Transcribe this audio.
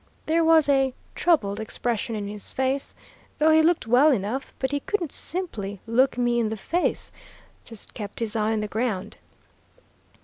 There was a troubled expression in his face, though he looked well enough, but he couldn't simply look me in the face. Just kept his eye on the ground.